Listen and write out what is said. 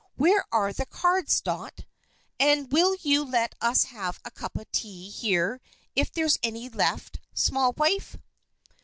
Where are the cards, Dot and will you let us have a cup of tea here if there's any left, small wife?"